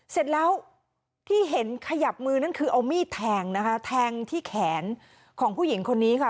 เสร็จแล้วที่เห็นขยับมือนั่นคือเอามีดแทงนะคะแทงที่แขนของผู้หญิงคนนี้ค่ะ